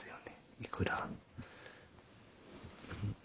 いくら。